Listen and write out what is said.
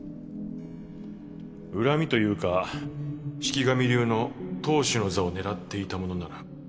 恨みというか四鬼神流の当主の座を狙っていた者なら